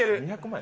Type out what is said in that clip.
２００万。